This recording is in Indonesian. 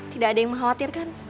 tidak ada yang mengkhawatirkan